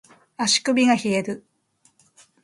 足首が冷える